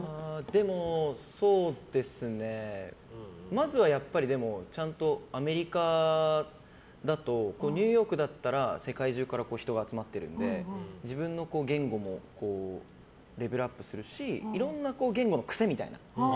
まずは、アメリカだとニューヨークだったら世界中から人が集まってるので自分の言語もレベルアップするしいろんな言語の癖みたいな。